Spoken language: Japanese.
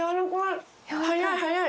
早い早い！